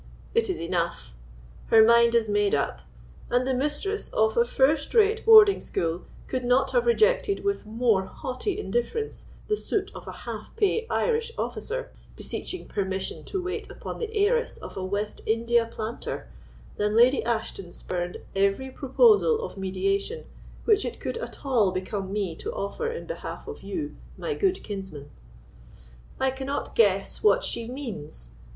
It is enough—her mind is made up, and the mistress of a first rate boarding school could not have rejected with more haughty indifference the suit of a half pay Irish officer, beseeching permission to wait upon the heiress of a West India planter, than Lady Ashton spurned every proposal of mediation which it could at all become me to offer in behalf of you, my good kinsman. I cannot guess what she means.